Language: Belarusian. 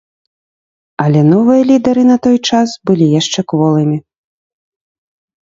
Але новыя лідэры на той час былі яшчэ кволымі.